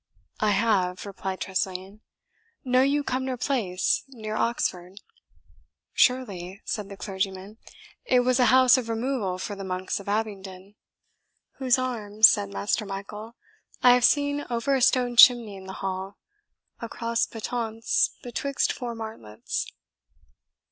"I have," replied Tressilian. "Know you Cumnor Place, near Oxford?" "Surely," said the clergyman; "it was a house of removal for the monks of Abingdon." "Whose arms," said Master Michael, "I have seen over a stone chimney in the hall, a cross patonce betwixt four martlets."